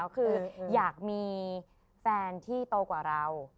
คืออยากมีแฟนที่โตกว่าเรา